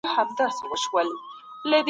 چټیات یوازې د نادانو خلګو ډیر خوښیږي.